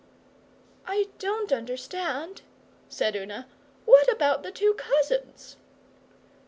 'I don't understand,' said Una. 'What about the two cousins?